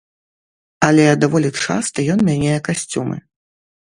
Але даволі часта ён мяняе касцюмы.